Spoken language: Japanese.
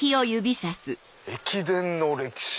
「駅伝の歴史